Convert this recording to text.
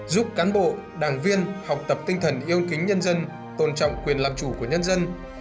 giúp cán bộ đảng viên học tập tinh thần yêu kính nhân dân tôn trọng quyền làm chủ của nhân dân